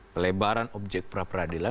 kelebaran objek pra peradilan